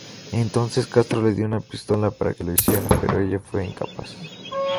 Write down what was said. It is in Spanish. Entonces Castro le dio una pistola para que lo hiciera, pero ella fue incapaz.